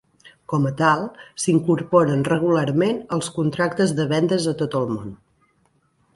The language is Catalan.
Com a tal, s'incorporen regularment als contractes de vendes a tot el món.